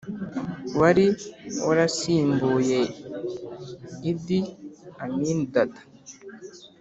wari warasimbuye idi amin dada,